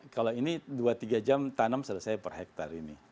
kalau ini dua tiga jam tanam selesai per hektare ini